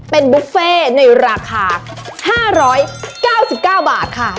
เป็นบุฟเฟ่ในราคาห้าร้อยเก้าสิบเก้าบาทค่ะ